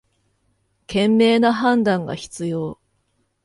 賢明な判断が必要